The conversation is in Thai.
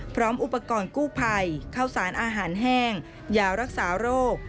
พร้อมอุปกรณ์กู้ภัยข้าวสารอาหารแห้งยารักษาโรค